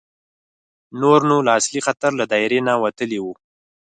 نور نو له اصلي خطر له دایرې نه وتلي وو.